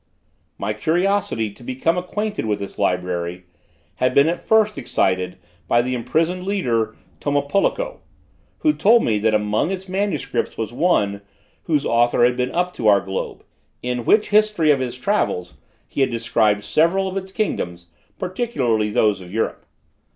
My curiosity to become acquainted with this library had been at first excited by the imprisoned leader Tomopoloko, who told me that among its manuscripts was one, whose author had been up to our globe, in which history of his travels he had described several of its kingdoms, particularly those of Europe.